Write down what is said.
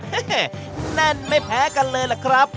เฮ่เฮ่แน่นไม่แพ้กันเลยนะครับ